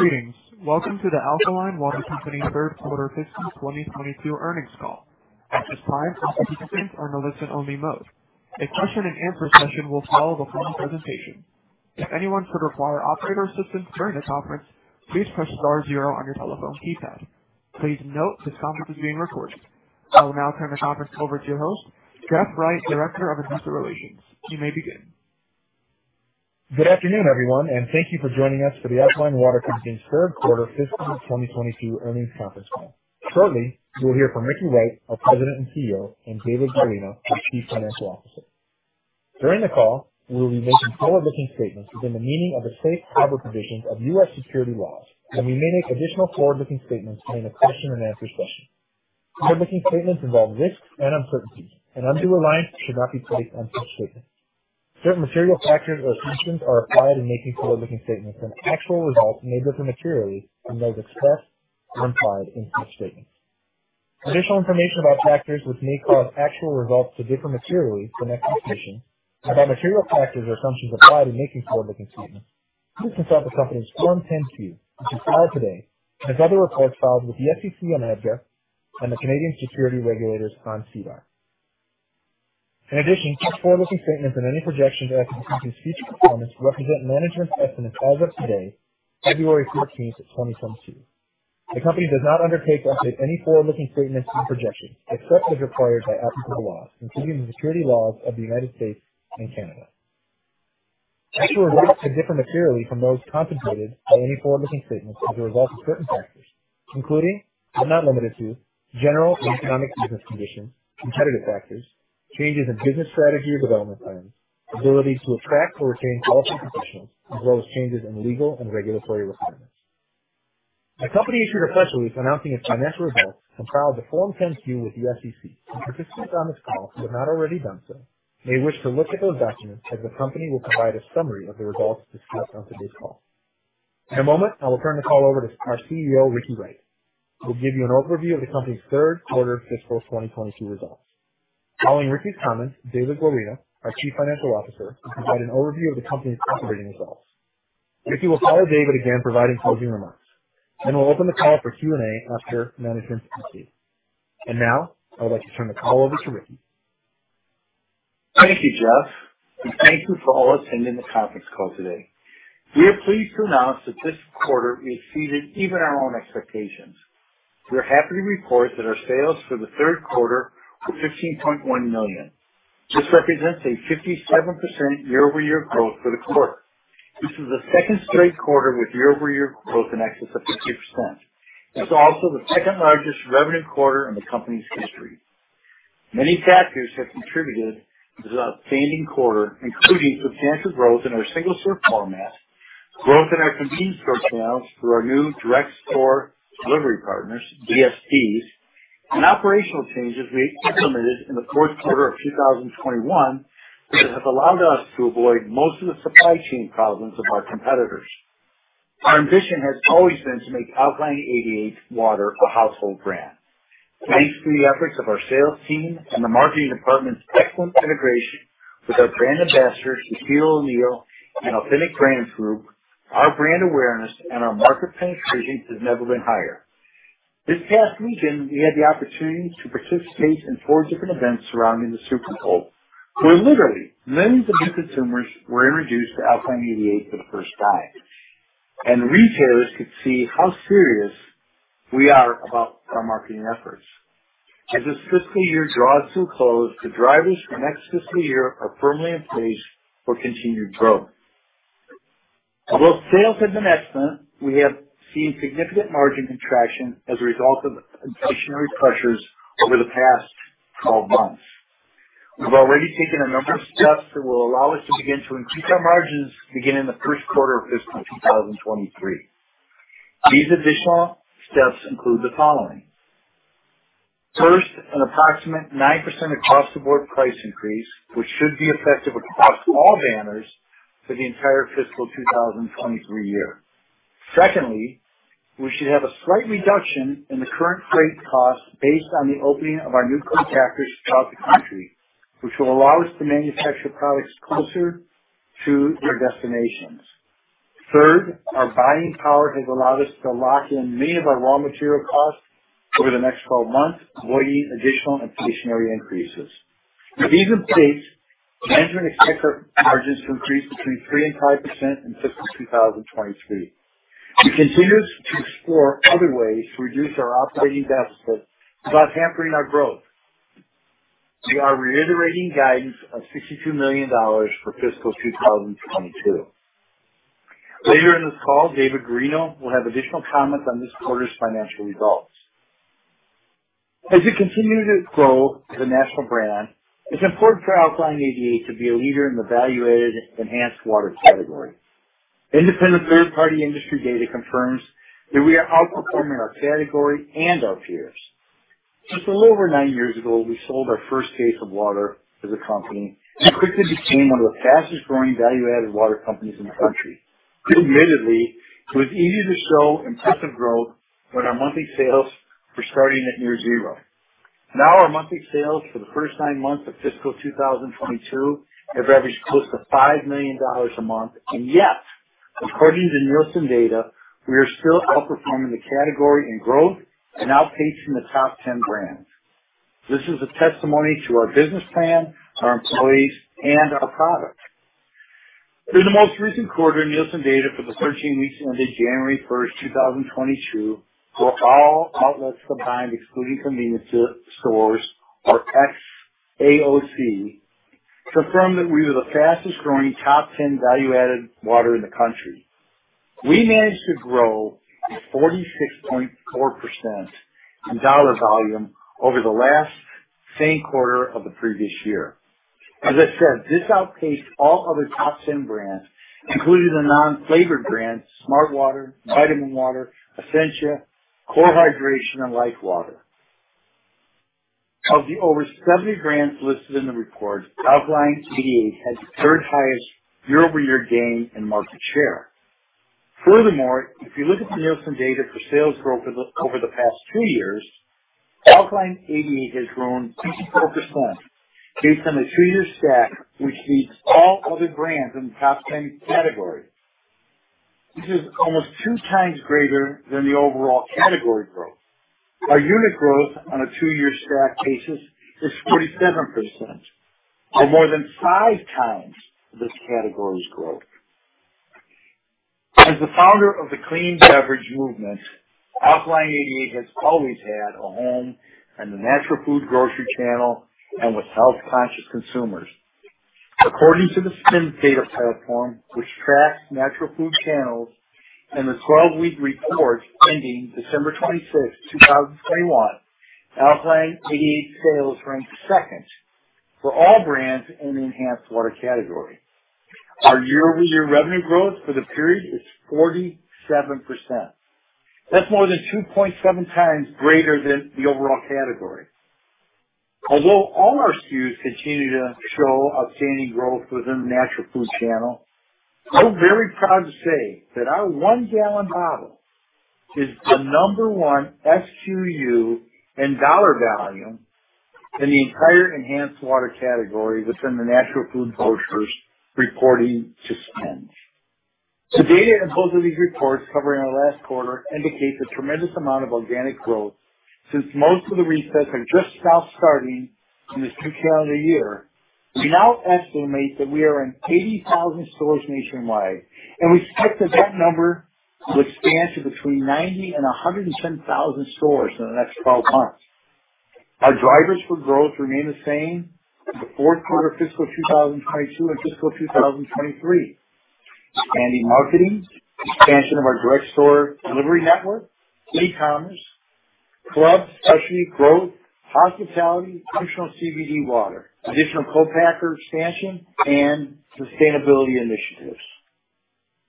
Greetings. Welcome to The Alkaline Water Company third quarter fiscal 2022 earnings call. At this time, participants are in a listen-only mode. A question-and-answer session will follow the formal presentation. If anyone should require operator assistance during the conference, please press star zero on your telephone keypad. Please note this conference is being recorded. I will now turn the conference over to your host, Jeff Wright, Director of Investor Relations. You may begin. Good afternoon, everyone, and thank you for joining us for The Alkaline Water Company third quarter fiscal 2022 earnings conference call. Shortly, you will hear from Ricky Wright, our President and CEO, and David Guarino, our Chief Financial Officer. During the call, we will be making forward-looking statements within the meaning of the safe harbor provisions of U.S. securities laws, and we may make additional forward-looking statements during the question and answer session. Forward-looking statements involve risks and uncertainties, and undue reliance should not be placed on such statements. Certain material factors or assumptions are applied in making forward-looking statements and actual results may differ materially from those expressed or implied in such statements. Additional information about factors which may cause actual results to differ materially from expectations about material factors or assumptions applied in making forward-looking statements can be found in the company's Form 10-K, which was filed today and other reports filed with the SEC on EDGAR and the Canadian securities regulators on SEDAR. In addition, such forward-looking statements and any projections as to the company's future performance represent management's estimates as of today, February 14th, 2022. The company does not undertake to update any forward-looking statements and projections, except as required by applicable laws, including the securities laws of the United States and Canada. Actual results could differ materially from those contemplated by any forward-looking statements as a result of certain factors, including but not limited to, general economic and business conditions, competitive factors, changes in business strategy or development plans, ability to attract or retain talented professionals, as well as changes in legal and regulatory requirements. The company issued a press release announcing its financial results and filed a Form 10-K with the SEC, and participants on this call who have not already done so may wish to look at those documents, as the company will provide a summary of the results discussed on today's call. In a moment, I will turn the call over to our CEO, Ricky Wright, who will give you an overview of the company's third quarter fiscal 2022 results. Following Ricky's comments, David Guarino, our Chief Financial Officer, will provide an overview of the company's operating results. Ricky will follow David again, providing closing remarks. We'll open the call for Q&A after management's prepared remarks. Now, I would like to turn the call over to Ricky. Thank you, Jeff. Thank you for all attending the conference call today. We are pleased to announce that this quarter exceeded even our own expectations. We're happy to report that our sales for the third quarter were $15.1 million. This represents a 57% year-over-year growth for the quarter. This is the second straight quarter with year-over-year growth in excess of 50%. It's also the second largest revenue quarter in the company's history. Many factors have contributed to this outstanding quarter, including substantial growth in our single-serve format, growth in our complete store channels through our new direct store delivery partners, DSDs, and operational changes we implemented in the fourth quarter of 2021, which has allowed us to avoid most of the supply chain problems of our competitors. Our ambition has always been to make Alkaline eighty-eight water a household brand. Thanks to the efforts of our sales team and the marketing department's excellent integration with our brand ambassadors, Shaquille O'Neal and Authentic Brands Group, our brand awareness and our market penetration has never been higher. This past weekend, we had the opportunity to participate in four different events surrounding the Super Bowl, where literally millions of new consumers were introduced to Alkaline88 for the first time, and retailers could see how serious we are about our marketing efforts. As this fiscal year draws to a close, the drivers for next fiscal year are firmly in place for continued growth. Although sales have been excellent, we have seen significant margin contraction as a result of inflationary pressures over the past 12 months. We've already taken a number of steps that will allow us to begin to increase our margins beginning the first quarter of fiscal 2023. These additional steps include the following. First, an approximate 9% cost of goods price increase, which should be effective across all banners for the entire fiscal 2023 year. Second, we should have a slight reduction in the current freight costs based on the opening of our new co-packers throughout the country, which will allow us to manufacture products closer to their destinations. Third, our buying power has allowed us to lock in many of our raw material costs over the next 12 months, avoiding additional inflationary increases. With these in place, management expects our margins to increase between 3% and 5% in fiscal 2023. We continue to explore other ways to reduce our operating deficit without hampering our growth. We are reiterating guidance of $62 million for fiscal 2022. Later in this call, David Guarino will have additional comments on this quarter's financial results. As we continue to grow as a national brand, it's important for Alkaline88 to be a leader in the value-added enhanced water category. Independent third-party industry data confirms that we are outperforming our category and our peers. Just a little over nine years ago, we sold our first case of water as a company and quickly became one of the fastest growing value-added water companies in the country. Admittedly, it was easy to show impressive growth when our monthly sales were starting at near zero. Now our monthly sales for the first nine months of fiscal 2022 have averaged close to $5 million a month, and yet, according to Nielsen data, we are still outperforming the category in growth and outpacing the top 10 brands. This is a testimony to our business plan, our employees and our product. In the most recent quarter, Nielsen data for the 13 weeks ended January 1st, 2022, for all outlets combined, excluding convenience stores or XAOC, confirmed that we were the fastest-growing top 10 value-added water in the country. We managed to grow 46.4% in dollar volume over the last same quarter of the previous year. As I said, this outpaced all other top 10 brands, including the non-flavored brands Smartwater, vitaminwater, Essentia, CORE Hydration and LIFEWTR. Of the over 70 brands listed in the report, Alkaline88 had the third highest year-over-year gain in market share. Furthermore, if you look at the Nielsen data for sales growth over the past two years, Alkaline88 has grown 54% based on a two-year stack, which beats all other brands in the top ten category. This is almost 2x greater than the overall category growth. Our unit growth on a two-year stack basis is 47% or more than 5x this category's growth. As the founder of the clean beverage movement, Alkaline88 has always had a home in the natural food grocery channel and with health-conscious consumers. According to the SPINS data platform, which tracks natural food channels, in the 12-week report ending December 25th, 2021, Alkaline88 sales ranked second for all brands in the enhanced water category. Our year-over-year revenue growth for the period is 47%. That's more than 2.7x greater than the overall category. Although all our SKUs continue to show outstanding growth within the natural food channel, I'm very proud to say that our one gallon bottle is the number one SKU in dollar value in the entire enhanced water category within the natural food grocers reporting to SPINS. The data in both of these reports covering our last quarter indicate the tremendous amount of organic growth since most of the resets are just now starting in this new calendar year. We now estimate that we are in 80,000 stores nationwide, and we expect that that number will expand to between 90,000 and 110,000 stores in the next 12 months. Our drivers for growth remain the same as the fourth quarter of fiscal 2022 and fiscal 2023. Expanding marketing, expansion of our direct store delivery network, e-commerce, club specialty growth, hospitality, functional CBD water, additional co-packer expansion and sustainability initiatives.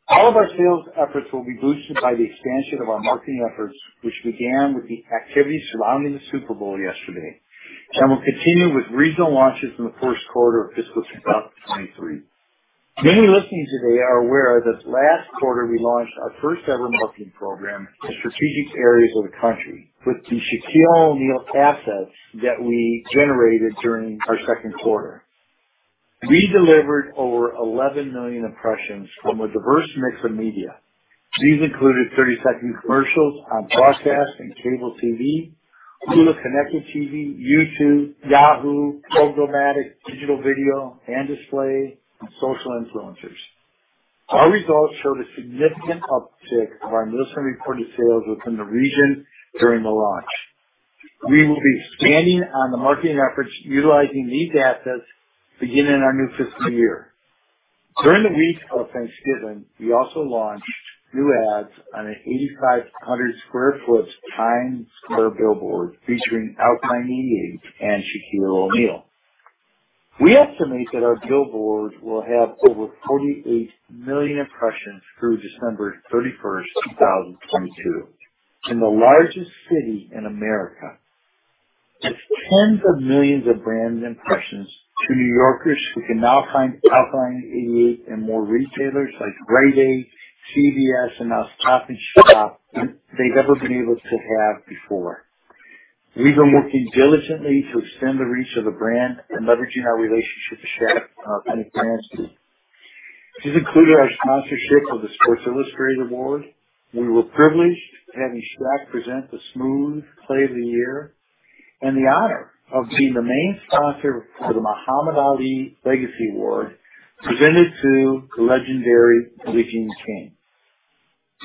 All of our sales efforts will be boosted by the expansion of our marketing efforts, which began with the activities surrounding the Super Bowl yesterday and will continue with regional launches in the first quarter of fiscal 2023. Many listening today are aware that last quarter we launched our first ever marketing program in strategic areas of the country with the Shaquille O'Neal assets that we generated during our second quarter. We delivered over 11 million impressions from a diverse mix of media. These included 30-second commercials on broadcast and cable TV, Hulu connected TV, YouTube, Yahoo, Programmatic digital video and display and social influencers. Our results showed a significant uptick of our Nielsen reported sales within the region during the launch. We will be expanding on the marketing efforts utilizing these assets beginning in our new fiscal year. During the week of Thanksgiving, we also launched new ads on an 8,500 sq ft Times Square billboard featuring Alkaline88 and Shaquille O'Neal. We estimate that our billboard will have over 48 million impressions through December 31st, 2022 in the largest city in America. That's tens of millions of brand impressions to New Yorkers who can now find Alkaline88 in more retailers like Gristedes, CVS and Stop & Shop than they've ever been able to have before. We've been working diligently to extend the reach of the brand and leveraging our relationship with Shaq and our brand fans. This included our sponsorship of the Sports Illustrated Awards. We were privileged to have Shaq present the Smooth Play of the Year and the honor of being the main sponsor for the Muhammad Ali Legacy Award presented to the legendary Billie Jean King.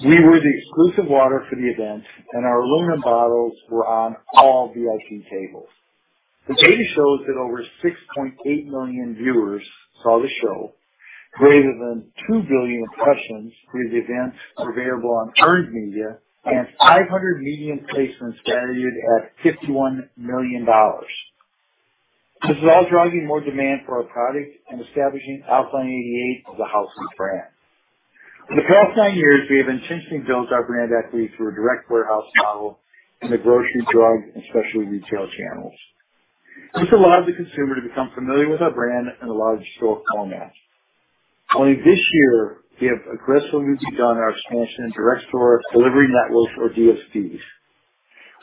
We were the exclusive water for the event, and our aluminum bottles were on all VIP tables. The data shows that over 6.8 million viewers saw the show. Greater than 2 billion impressions for the event were available on earned media and 500 media placements valued at $51 million. This is all driving more demand for our product and establishing Alkaline88 as a household brand. For the past nine years, we have intentionally built our brand equity through a direct warehouse model in the grocery, drug, and specialty retail channels. This allowed the consumer to become familiar with our brand in a large store format. Only this year, we have aggressively moved to grow our expansion in direct store delivery networks or DSDs.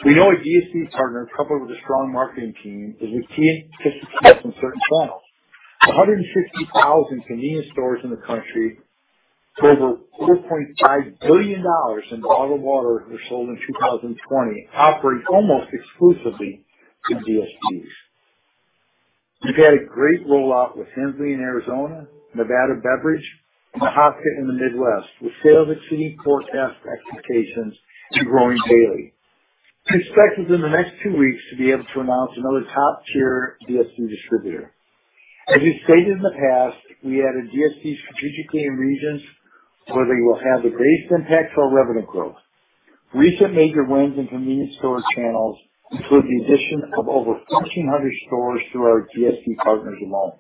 We know a DSD partner, coupled with a strong marketing team, is a key to success in certain channels. 160,000 convenience stores in the country with over $4.5 billion in bottled water sales in 2020 operates almost exclusively through DSDs. We've had a great rollout with Hensley in Arizona, Nevada Beverage, Mahaska in the Midwest, with sales exceeding forecast expectations and growing daily. We're expected in the next two weeks to be able to announce another top-tier DSD distributor. As we stated in the past, we added DSD strategically in regions where they will have the greatest impact on revenue growth. Recent major wins in convenience store channels include the addition of over 1,400 stores through our DSD partners alone.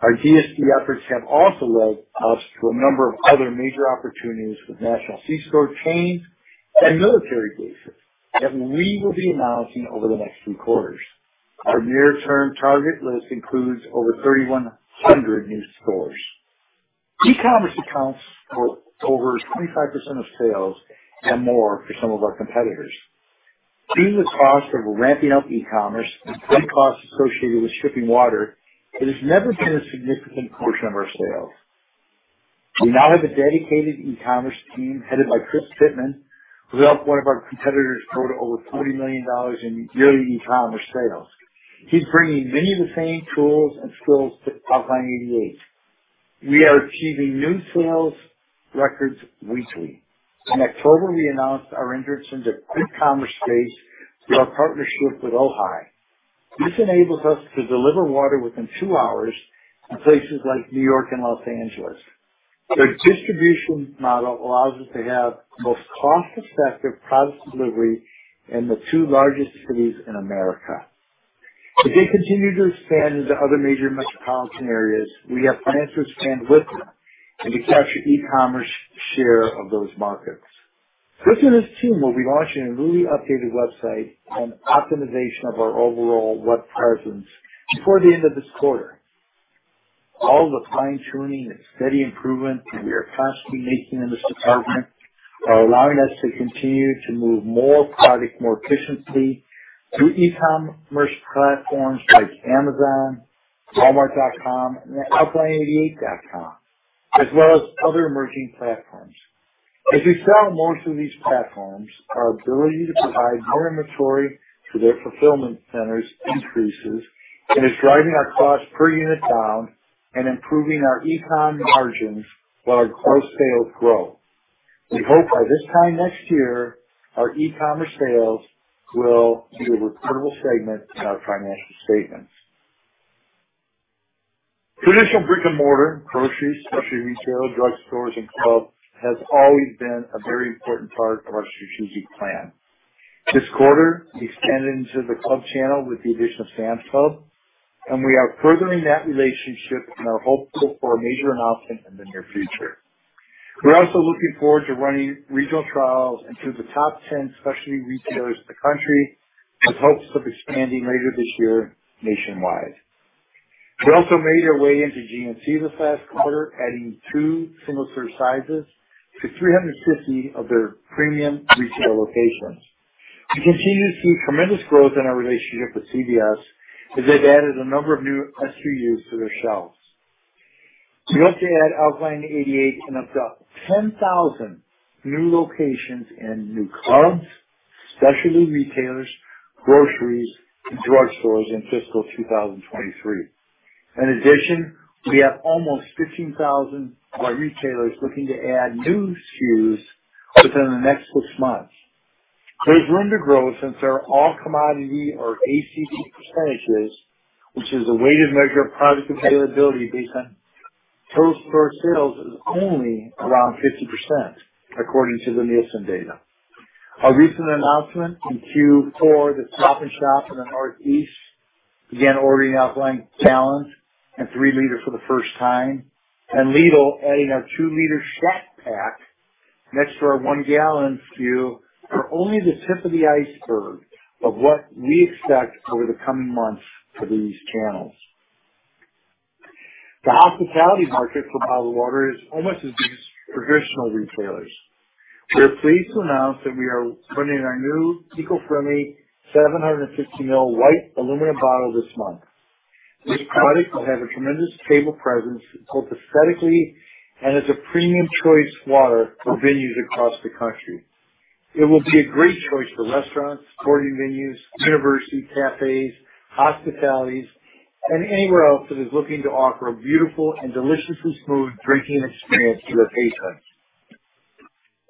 Our DSD efforts have also led us to a number of other major opportunities with national C-store chains and military bases that we will be announcing over the next few quarters. Our near-term target list includes over 3,100 new stores. E-commerce accounts for over 25% of sales and more for some of our competitors. Due to the cost of ramping up e-commerce and the costs associated with shipping water, it has never been a significant portion of our sales. We now have a dedicated e-commerce team headed by Chris Pittman, who helped one of our competitors grow to over $40 million in yearly e-commerce sales. He's bringing many of the same tools and skills to Alkaline88. We are achieving new sales records weekly. In October, we announced our entrance into quick commerce space through our partnership with Ohi. This enables us to deliver water within two hours in places like New York and Los Angeles. Their distribution model allows us to have the most cost-effective product delivery in the two largest cities in America. As they continue to expand into other major metropolitan areas, we have plans to expand with them and to capture e-commerce share of those markets. Chris and his team will be launching a newly updated website and optimization of our overall web presence before the end of this quarter. All the fine-tuning and steady improvement that we are constantly making in this department are allowing us to continue to move more product, more efficiently through e-commerce platforms like amazon.com, walmart.com, and alkaline88.com, as well as other emerging platforms. As we sell more through these platforms, our ability to provide more inventory to their fulfillment centers increases and is driving our cost per unit down and improving our e-com margins while our gross sales grow. We hope by this time next year, our e-commerce sales will be a reportable segment in our financial statements. Traditional brick-and-mortar groceries, specialty retail, drugstores, and clubs has always been a very important part of our strategic plan. This quarter, we expanded into the club channel with the addition of Sam's Club, and we are furthering that relationship and are hopeful for a major announcement in the near future. We're also looking forward to running regional trials into the top 10 specialty retailers in the country with hopes of expanding later this year nationwide. We also made our way into GNC this last quarter, adding two single-serve sizes to 350 of their premium retail locations. We continue to see tremendous growth in our relationship with CVS, as they've added a number of new SKUs to their shelves. We hope to add Alkaline88 in about 10,000 new locations in new clubs, specialty retailers, groceries, and drugstores in fiscal 2023. In addition, we have almost 15,000 of our retailers looking to add new SKUs within the next six months. There's room to grow since our ACV, which is a weighted measure of product availability based on total store sales, is only around 50%, according to the Nielsen data. Our recent announcement in Q4 that Stop & Shop in the Northeast began ordering Alkaline gallons and 3-liter for the first time, and Lidl adding our 2-liter snack pack next to our 1-gallon SKU are only the tip of the iceberg of what we expect over the coming months for these channels. The hospitality market for bottled water is almost as big as traditional retailers. We are pleased to announce that we are putting our new eco-friendly 750 ml white aluminum bottle this month. This product will have a tremendous table presence, both aesthetically and as a premium choice water for venues across the country. It will be a great choice for restaurants, sporting venues, university cafes, hospitalities, and anywhere else that is looking to offer a beautiful and deliciously smooth drinking experience to their patrons.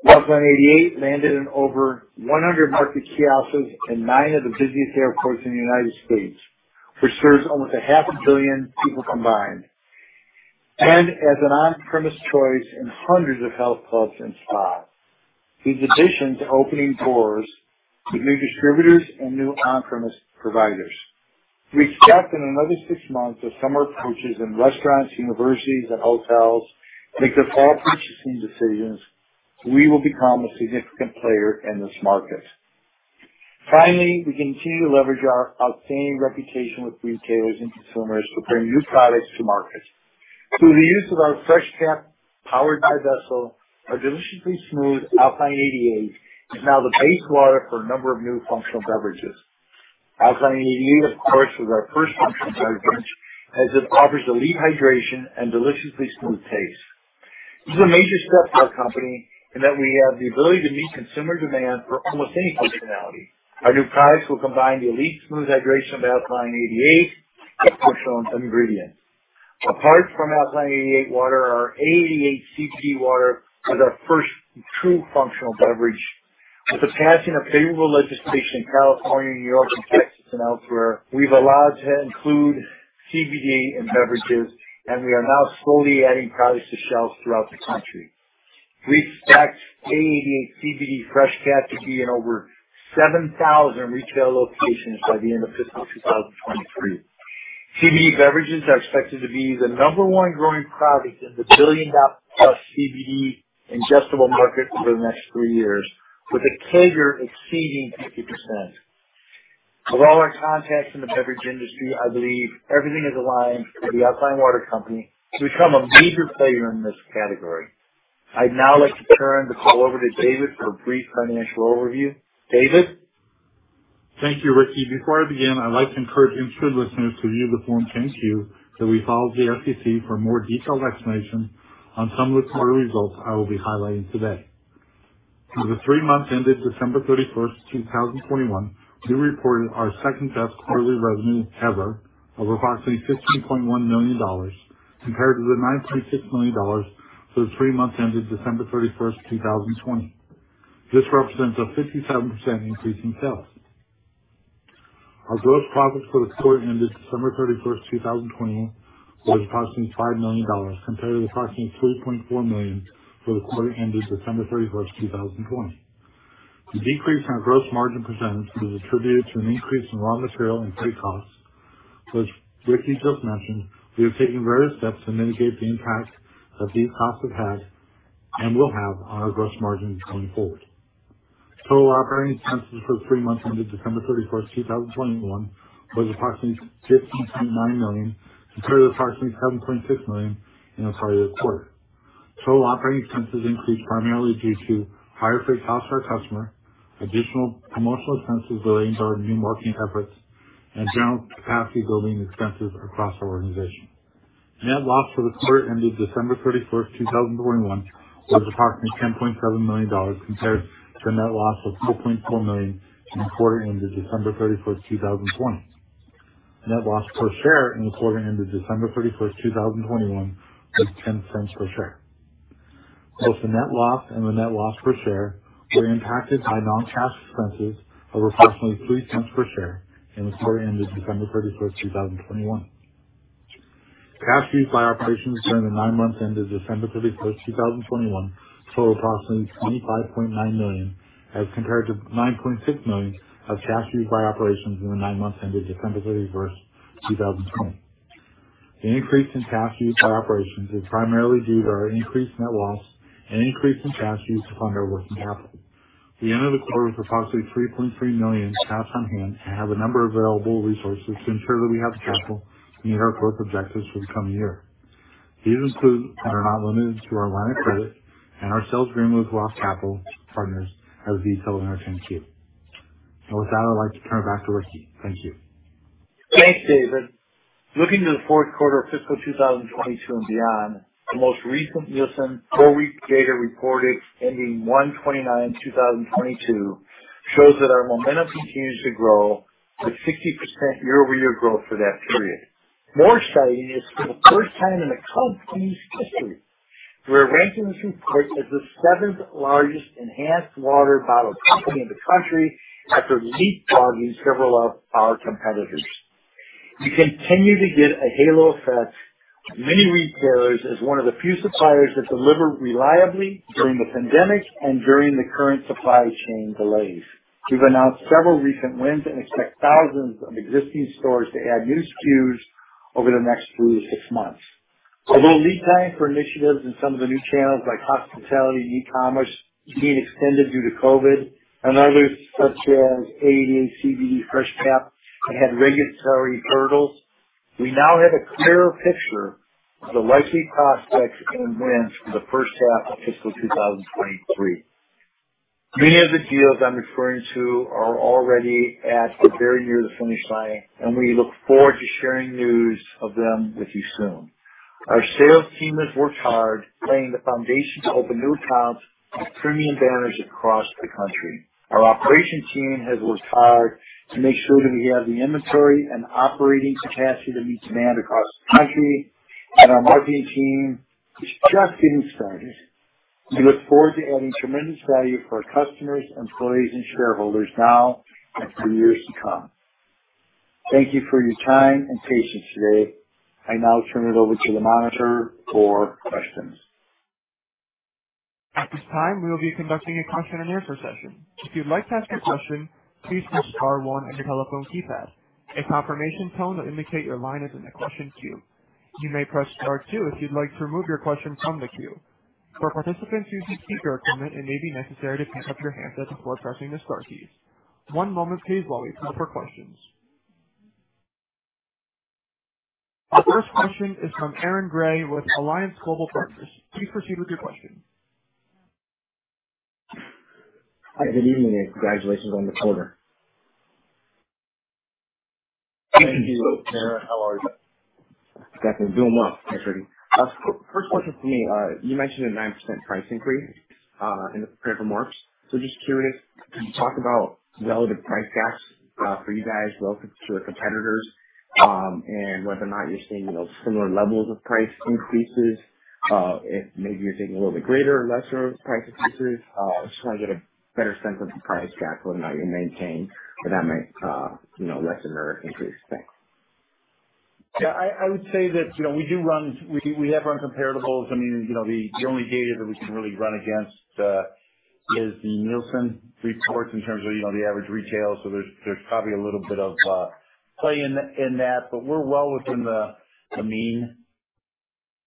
Alkaline88 landed in over 100 market kiosks in nine of the busiest airports in the United States, which serves almost half a billion people combined, as an on-premise choice in hundreds of health clubs and spas, in addition to opening doors to new distributors and new on-premise providers. We expect in another six months, as summer approaches and restaurants, universities, and hotels make their fall purchasing decisions, we will become a significant player in this market. Finally, we continue to leverage our outstanding reputation with retailers and consumers to bring new products to market. Through the use of our FreshCap powered by Vessel, our deliciously smooth Alkaline88 is now the base water for a number of new functional beverages. Alkaline88, of course, was our first functional beverage as it offers elite hydration and deliciously smooth taste. This is a major step for our company in that we have the ability to meet consumer demand for almost any functionality. Our new products will combine the elite smooth hydration of Alkaline88 with functional ingredients. Apart from Alkaline88 water, our A88CBD water is our first true functional beverage. With the passing of favorable legislation in California, New York, and Texas and elsewhere, we're allowed to include CBD in beverages, and we are now slowly adding products to shelves throughout the country. We expect A88CBD FreshCap to be in over 7,000 retail locations by the end of fiscal 2023. CBD beverages are expected to be the number one growing product in the billion-dollar-plus CBD ingestible market over the next three years with a CAGR exceeding 50%. With all our contacts in the beverage industry, I believe everything is aligned for The Alkaline Water Company to become a major player in this category. I'd now like to turn the call over to David for a brief financial overview. David? Thank you, Ricky. Before I begin, I'd like to encourage interested listeners to view the Form 10-Q that we filed with the SEC for a more detailed explanation on some of the quarter results I will be highlighting today. For the three months ended December 31st, 2021, we reported our second best quarterly revenue ever of approximately $15.1 million compared to the $9.6 million for the three months ended December 31st, 2020. This represents a 57% increase in sales. Our gross profit for the quarter ended December 31st, 2021 was approximately $5 million compared to approximately $3.4 million for the quarter ended December 31st, 2020. The decrease in our gross margin percentage was attributed to an increase in raw material and freight costs. As Ricky just mentioned, we are taking various steps to mitigate the impact that these costs have had and will have on our gross margin going forward. Total operating expenses for the three months ended December 31st, 2021 was approximately $15.9 million compared to approximately $7.6 million in the prior year quarter. Total operating expenses increased primarily due to higher freight costs to our customer, additional promotional expenses related to our new marketing efforts, and general capacity building expenses across our organization. Net loss for the quarter ended December 31st, 2021 was approximately $10.7 million compared to the net loss of $4.4 million in the quarter ended December 31st, 2020. Net loss per share in the quarter ended December 31st, 2021 was $0.10 per share. Both the net loss and the net loss per share were impacted by non-cash expenses of approximately $0.03 per share in the quarter ended December 31st, 2021. Cash used by operations during the nine months ended December 31st, 2021, totaled approximately $25.9 million as compared to $9.6 million of cash used by operations in the nine months ended December 31st, 2020. The increase in cash used by operations was primarily due to our increased net loss and increase in cash used to fund our working capital. At the end of the quarter, we had approximately $3.3 million cash on hand and a number of available resources to ensure that we have the capital to meet our growth objectives for the coming year. These include, but are not limited to our line of credit and our sales agreement with ROTH Capital Partners, as detailed in our 10-Q. With that, I'd like to turn it back to Ricky. Thank you. Thanks, David. Looking to the fourth quarter of fiscal 2022 and beyond, the most recent Nielsen four-week data reported ending 1/29/2022 shows that our momentum continues to grow with 60% year-over-year growth for that period. More exciting is for the first time in the company's history, we're ranking this report as the seventh-largest enhanced water bottle company in the country after leapfrogging several of our competitors. We continue to get a halo effect from many retailers as one of the few suppliers that delivered reliably during the pandemic and during the current supply chain delays. We've announced several recent wins and expect thousands of existing stores to add new SKUs over the next 3-6 months. Although lead time for initiatives in some of the new channels like hospitality and e-commerce being extended due to COVID and others such as A88CBD FreshCap that had regulatory hurdles, we now have a clearer picture of the likely prospects and wins for the first half of fiscal 2023. Many of the deals I'm referring to are already at or very near the finish line, and we look forward to sharing news of them with you soon. Our sales team has worked hard laying the foundation to open new accounts with premium banners across the country. Our operations team has worked hard to make sure that we have the inventory and operating capacity to meet demand across the country, and our marketing team is just getting started. We look forward to adding tremendous value for our customers, employees, and shareholders now and for years to come. Thank you for your time and patience today. I now turn it over to the monitor for questions. At this time, we will be conducting a question-and-answer session. If you'd like to ask a question, please push star one on your telephone keypad. A confirmation tone will indicate your line is in the question queue. You may press star two if you'd like to remove your question from the queue. For participants using speaker equipment, it may be necessary to pick up your handset before pressing the star key. One moment, please, while we queue up for questions. Our first question is from Aaron Grey with Alliance Global Partners. Please proceed with your question. Hi, good evening, and congratulations on the quarter. Thank you, Aaron. How are you? Got the zoom up. Thanks, Ricky. First question for me. You mentioned a 9% price increase in the framework. Just curious, can you talk about relative price gaps for you guys relative to your competitors, and whether or not you're seeing you know similar levels of price increases, if maybe you're seeing a little bit greater or lesser price increases. Just trying to get a better sense of the price gap, whether or not you maintain a dynamic you know less or increased spend. Yeah, I would say that, you know, we have run comparables. I mean, you know, the only data that we can really run against is the Nielsen reports in terms of, you know, the average retail. So there's probably a little bit of play in that, but we're well within the mean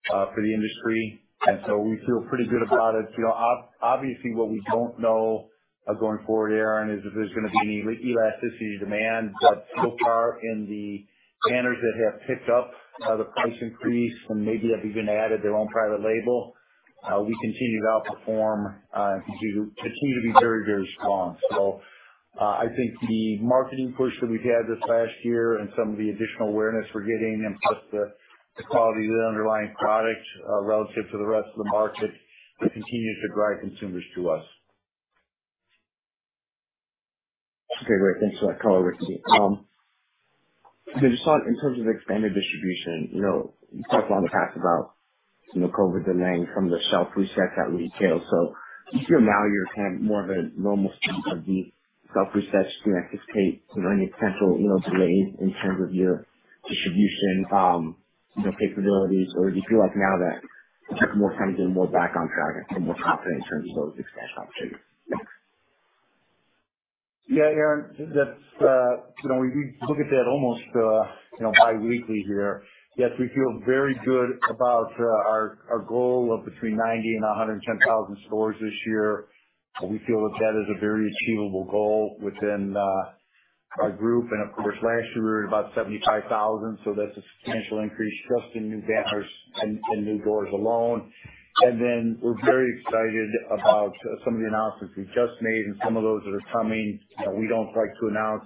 for the industry. We feel pretty good about it. You know, obviously, what we don't know, going forward, Aaron, is if there's gonna be any demand elasticity. So far, in the banners that have picked up the price increase and maybe have even added their own private label, we continue to outperform and continue to be very, very strong. I think the marketing push that we've had this last year and some of the additional awareness we're getting and plus the quality of the underlying product relative to the rest of the market continues to drive consumers to us. Okay, great. Thanks for that color, Ricky. Just on in terms of expanded distribution, you know, you talked in the past about, you know, COVID demand from the shelf reset at retail. Do you feel now you're kind of more of a normal state of the shelf reset, you know, anticipate, you know, any potential, you know, delays in terms of your distribution, you know, capabilities? Or do you feel like now that more comes in, we're back on track and feel more confident in terms of those expansion opportunities? Thanks. Yeah, Aaron, that's, you know, we look at that almost, you know, biweekly here. Yes, we feel very good about our goal of between 90 and 110 thousand stores this year. We feel that that is a very achievable goal within our group. Of course, last year we were at about 75,000, so that's a substantial increase just in new banners and new doors alone. Then we're very excited about some of the announcements we just made and some of those that are coming. You know, we don't like to announce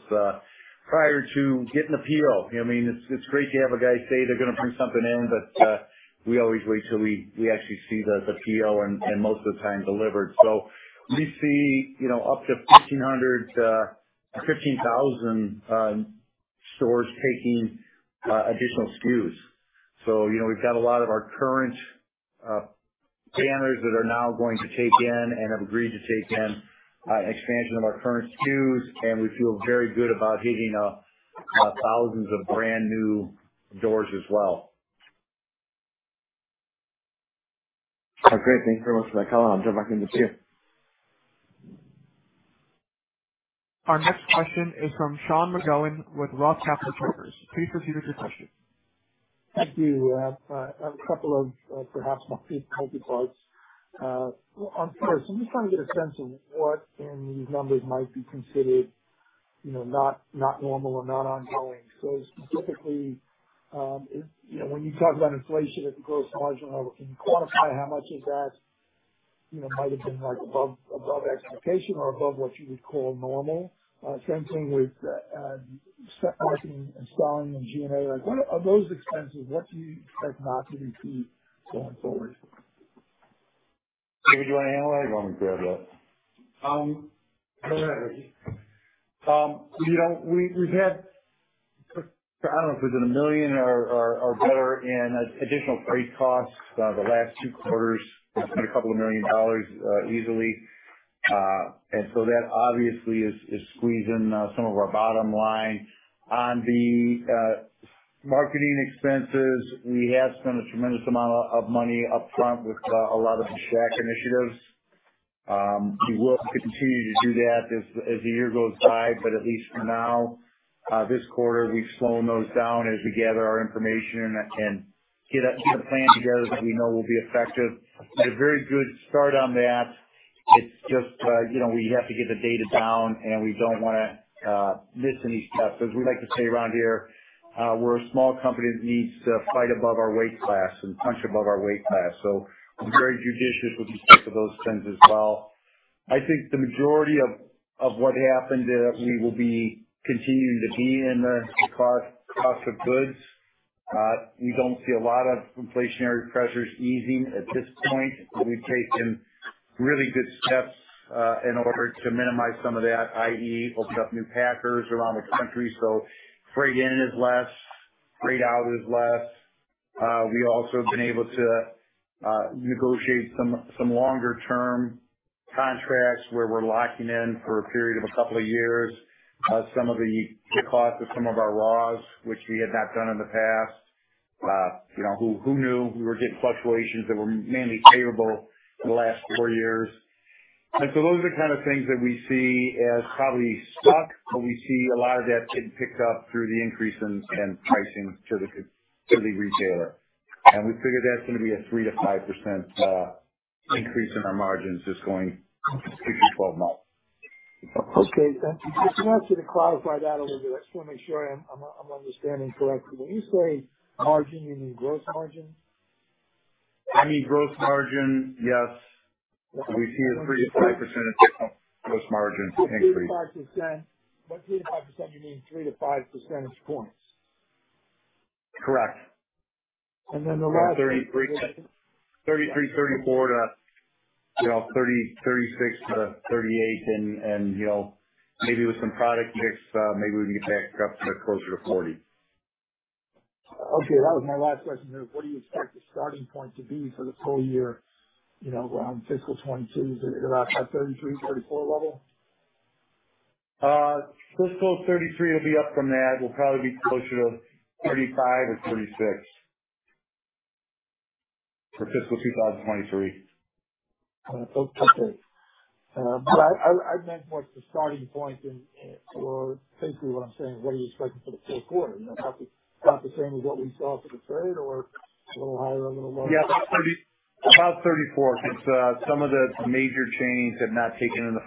prior to getting a PO. You know what I mean? It's great to have a guy say they're gonna bring something in, but we always wait till we actually see the PO and most of the time delivered. We see, you know, up to 15,000 stores taking additional SKUs. You know, we've got a lot of our current banners that are now going to take in and have agreed to take in expansion of our current SKUs, and we feel very good about hitting thousands of brand new doors as well. Oh, great. Thank you very much for that color. I'll jump back in the queue. Our next question is from Sean McGowan with ROTH Capital Partners. Please proceed with your question. Thank you. I have a couple of, perhaps multi-parts. On first, I'm just trying to get a sense of what in these numbers might be considered, you know, not normal or not ongoing. Specifically, you know, when you talk about inflation at the gross margin level, can you quantify how much of that, you know, might have been, like, above expectation or above what you would call normal? Same thing with marketing and selling and G&A. Like, what of those expenses, what do you expect not to repeat going forward? David, do you want to handle that, or you want me to grab that? Go ahead, Ricky. You know, we've had I don't know if it's been $1 million or better in additional freight costs the last two quarters. It's been $2 million, easily. That obviously is squeezing some of our bottom line. On the marketing expenses, we have spent a tremendous amount of money upfront with a lot of the Shaq initiatives. We will continue to do that as the year goes by, but at least for now, this quarter, we've slowed those down as we gather our information and get a plan together that we know will be effective. We had a very good start on that. It's just, you know, we have to get the data down, and we don't wanna miss any steps. As we like to say around here, we're a small company that needs to fight above our weight class and punch above our weight class. We're very judicious with respect to those trends as well. I think the majority of what happened, we will be continuing to be in the cost of goods. We don't see a lot of inflationary pressures easing at this point. We've taken really good steps in order to minimize some of that, i.e., opened up new packers around the country, so freight in is less, freight out is less. We also have been able to negotiate some longer term contracts where we're locking in for a period of a couple of years, some of the cost of some of our raws, which we had not done in the past. You know, who knew we were getting fluctuations that were mainly favorable for the last four years? Those are the kind of things that we see as probably stuck, but we see a lot of that being picked up through the increase in pricing to the retailer. We figure that's gonna be a 3%-5% increase in our margins just going through 12 months. Okay. Can I ask you to clarify that a little bit? I just wanna make sure I'm understanding correctly. When you say margin, you mean gross margin? I mean gross margin, yes. We see a 3%-5% gross margin increase. 3%-5%. By 3%-5%, you mean 3-5 percentage points? Correct. And then the last. 33%-34% to, you know, 30%-36%-38% and, you know, maybe with some product mix, maybe we can get back up to closer to 40%. Okay. That was my last question here. What do you expect the starting point to be for the full year, you know, around fiscal 2022? Is it about 33%-34% level? Fiscal 2023 will be up from that. We'll probably be closer to 35% or 36% for fiscal 2023. Okay. I meant more at the starting point. Basically what I'm saying is what are you expecting for the fourth quarter? You know, about the same as what we saw for the third or a little higher, a little lower? About 34% because some of the major chains have not taken in the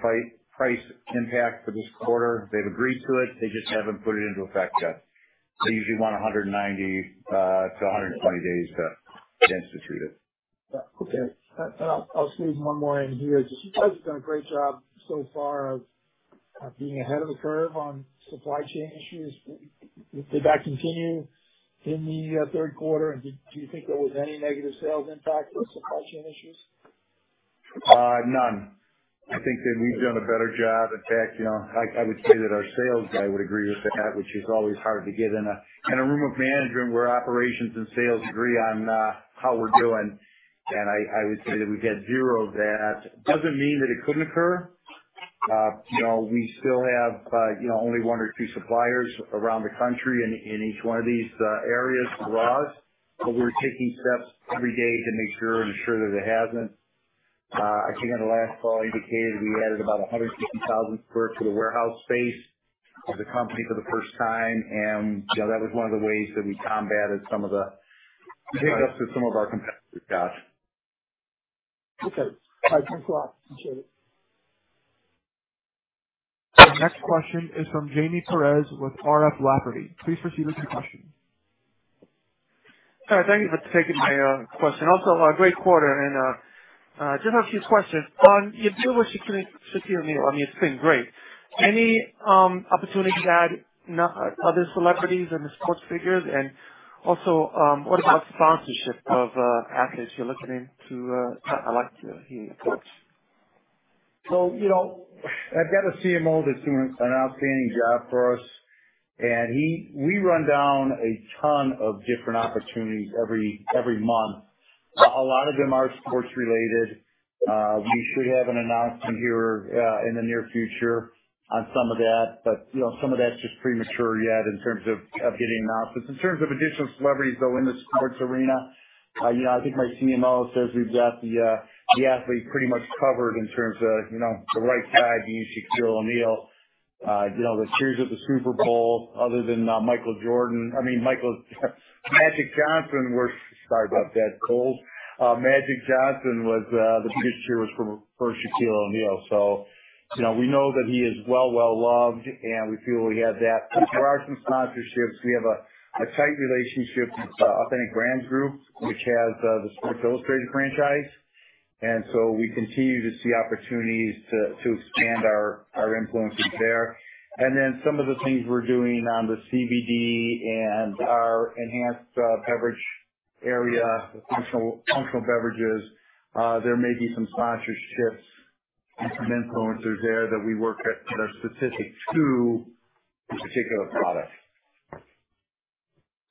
price impact for this quarter. They've agreed to it. They just haven't put it into effect yet. They usually want 90-120 days to institute it. Okay. I'll squeeze one more in here. You guys have done a great job so far of being ahead of the curve on supply chain issues. Will that continue in the third quarter, and do you think there was any negative sales impact with supply chain issues? None. I think that we've done a better job. In fact, you know, I would say that our sales guy would agree with that, which is always hard to get in a room of management where operations and sales agree on how we're doing. I would say that we've had zero of that. Doesn't mean that it couldn't occur. You know, we still have only one or two suppliers around the country in each one of these areas for us, but we're taking steps every day to make sure and ensure that it hasn't. I think on the last call, I indicated we added about 150,000 sq ft to the warehouse space for the company for the first time. You know, that was one of the ways that we combated some of the hiccups that some of our competitors got. Okay. All right. Thanks a lot. Appreciate it. Our next question is from Jaime Perez with R.F. Lafferty. Please proceed with your question. All right. Thank you for taking my question. Also, a great quarter. I just have a few questions. On your deal with Shaquille O'Neal, I mean, it's been great. Any opportunity to add other celebrities and sports figures? Also, what about sponsorship of athletes? You're looking into. I'd like to hear your thoughts. You know, I've got a CMO that's doing an outstanding job for us. We run down a ton of different opportunities every month. A lot of them are sports related. We should have an announcement here in the near future on some of that. You know, some of that's just premature yet in terms of getting announcements. In terms of additional celebrities, though, in the sports arena, you know, I think my CMO says we've got the athlete pretty much covered in terms of the right guy being Shaquille O'Neal. You know, the series with the Super Bowl other than Michael Jordan, I mean, Magic Johnson. We're sorry about that, folks. Magic Johnson was the previous year was for Shaquille O'Neal. You know, we know that he is well loved, and we feel we have that. As far as some sponsorships, we have a tight relationship with Authentic Brands Group, which has the Sports Illustrated franchise. We continue to see opportunities to expand our influences there. Some of the things we're doing on the CBD and our enhanced beverage area, the functional beverages, there may be some sponsorships and some influencers there that we work with that are specific to a particular product.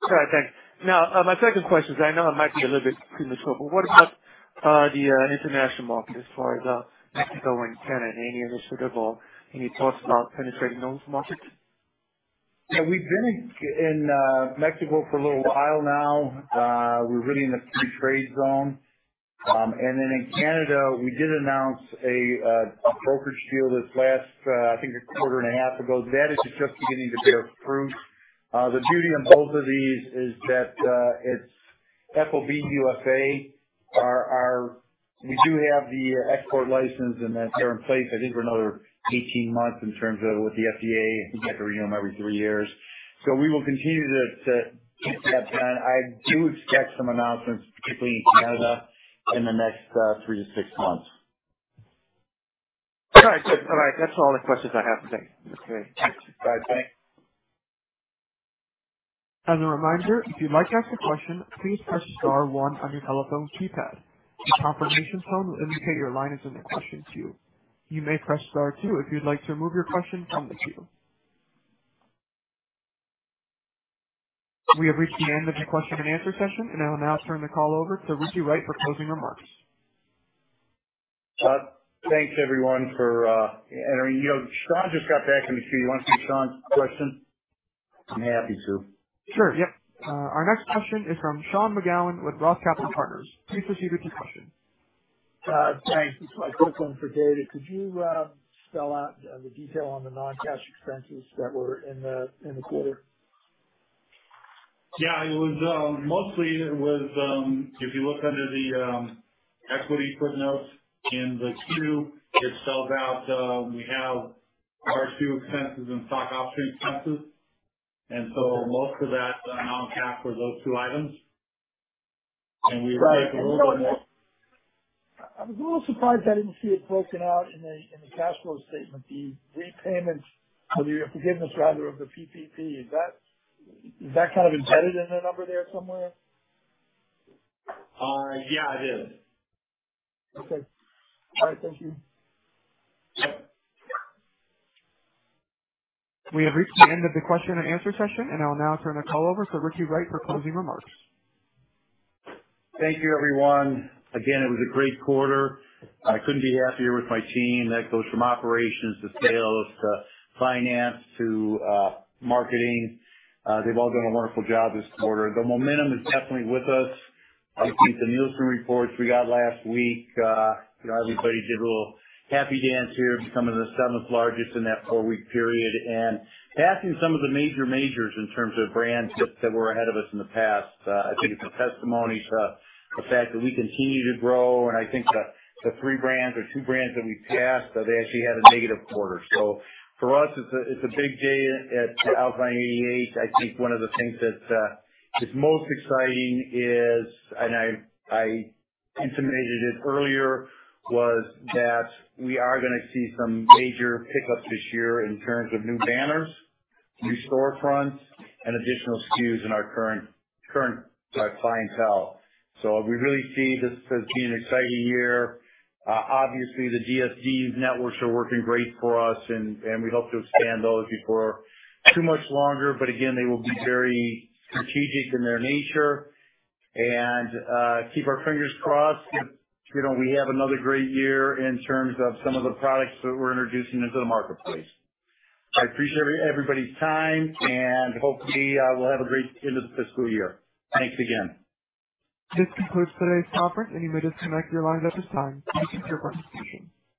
All right. Thanks. Now, my second question is, I know it might be a little bit premature, but what about, the, international market as far as, Mexico and Canada? Any initiative or any thoughts about penetrating those markets? Yeah, we've been in Mexico for a little while now. We're really in the free trade zone. Then in Canada, we did announce a brokerage deal this last, I think a quarter and a half ago. That is just beginning to bear fruit. The beauty on both of these is that it's FOB USA. We do have the export license and that's there in place, I think for another 18 months in terms of with the FDA. I think you have to renew them every three years. We will continue to keep that plan. I do expect some announcements, particularly in Canada, in the next 3-6 months. All right. Good. All right. That's all the questions I have. Thanks. Okay. Bye. Thanks. As a reminder, if you'd like to ask a question, please press star one on your telephone keypad. A confirmation tone will indicate your line is in the question queue. You may press star two if you'd like to remove your question from the queue. We have reached the end of the question-and-answer session, and I will now turn the call over to Ricky Wright for closing remarks. Thanks everyone for entering. You know, Sean just got back in the queue. You wanna ask Sean a question? I'm happy to. Sure. Yep. Our next question is from Sean McGowan with ROTH Capital Partners. Please proceed with your question. Thanks. Just a quick one for David. Could you spell out the detail on the non-cash expenses that were in the quarter? It was mostly if you look under the equity footnotes in the 10-Q. It spells out we have RSU expenses and stock option expenses. Most of that and all for two items. We. I was a little surprised I didn't see it broken out in the cash flow statement, the repayments or the forgiveness, rather, of the PPP. Is that kind of embedded in the number there somewhere? Yeah, it is. Okay. All right. Thank you. Yep. We have reached the end of the question and answer session, and I'll now turn the call over to Ricky Wright for closing remarks. Thank you, everyone. Again, it was a great quarter. I couldn't be happier with my team. That goes from operations to sales to finance to marketing. They've all done a wonderful job this quarter. The momentum is definitely with us. I think the Nielsen reports we got last week, you know, everybody did a little happy dance here, becoming the seventh largest in that four-week period and passing some of the major brands in terms of brands that were ahead of us in the past. I think it's a testimony to the fact that we continue to grow. I think the three brands or two brands that we passed, they actually had a negative quarter. For us, it's a big day at Alkaline88. I think one of the things that is most exciting is, and I intimated it earlier, was that we are gonna see some major pickups this year in terms of new banners, new storefronts, and additional SKUs in our current clientele. We really see this as being an exciting year. Obviously the DSD networks are working great for us and we hope to expand those before too much longer. Again, they will be very strategic in their nature. Keep our fingers crossed if, you know, we have another great year in terms of some of the products that we're introducing into the marketplace. I appreciate everybody's time, and hopefully we'll have a great end of the fiscal year. Thanks again. This concludes today's conference and you may disconnect your lines at this time. Thank you for your participation.